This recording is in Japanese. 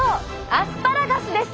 アスパラガスです！